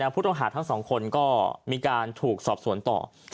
ผู้ต้องหาทั้งสองคนก็มีการถูกสอบสวนต่อ